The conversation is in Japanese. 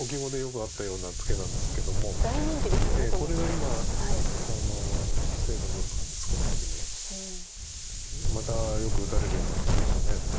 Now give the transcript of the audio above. これが今勢力を作る時にまたよく打たれるようになってきました。